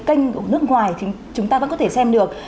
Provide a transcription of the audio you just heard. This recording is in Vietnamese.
kênh nước ngoài thì chúng ta vẫn có thể xem được